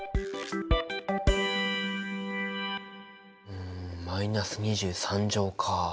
うんマイナス２３乗か。